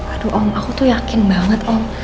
aduh om aku tuh yakin banget om